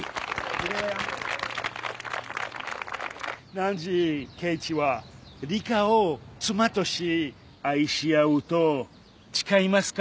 なんじ圭一は理花を妻とし愛し合うと誓いますか？